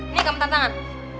ini akan pertantangan